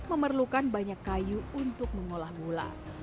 memerlukan banyak kayu untuk mengolah gula